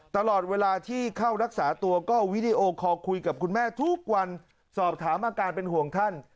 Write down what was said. ตลอดเวลาที่เข้ารักษาตัวก็วิดีโอคอลคุยกับคุณแม่ทุกวันสอบถามอาการเป็นห่วงท่าน